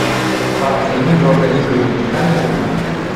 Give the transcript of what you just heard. Fatta di microrganismi vegetali e animali.